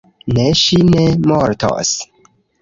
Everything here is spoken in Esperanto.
Ne, ŝi ne mortos